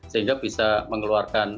sehingga bisa mengeluarkan air